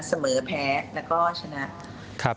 เสมอแพ้แล้วก็ชนะ